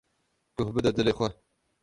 Guh bide dilê xwe.